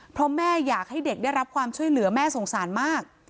เพราะแม่อยากให้เด็กได้รับความช่วยเหลือแม่สงสารมาก